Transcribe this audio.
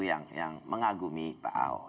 yang mengagumi pak ahok